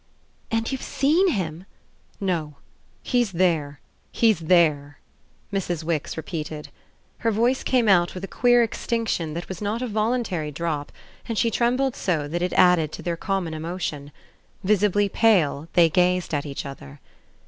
"And you've seen him?" "No. He's there he's there," Mrs. Wix repeated. Her voice came out with a queer extinction that was not a voluntary drop, and she trembled so that it added to their common emotion. Visibly pale, they gazed at each other.